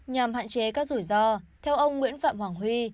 nhằm hạn chế các rủi ro theo ông nguyễn phạm hoàng huy